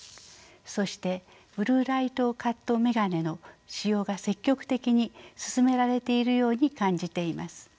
そしてブルーライトカット眼鏡の使用が積極的に進められているように感じています。